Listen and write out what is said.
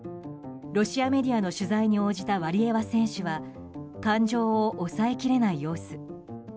ロシアメディアの取材に応じたワリエワ選手は感情を抑えきれない様子。